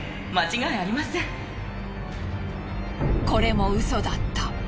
これもウソだった。